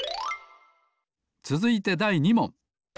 つづいてだい２もん。